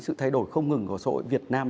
sự thay đổi không ngừng của số việt nam